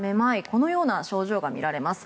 このような症状がみられます。